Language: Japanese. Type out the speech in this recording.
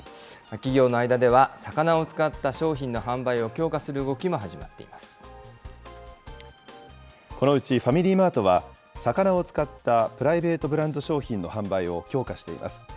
企業の間では、魚を使った商品の販売を強化する動きも始まっていこのうちファミリーマートは、魚を使ったプライベートブランド商品の販売を強化しています。